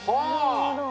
なるほど。